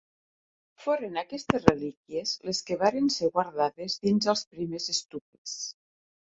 Foren aquestes relíquies les que varen ser guardades dins els primers stupes.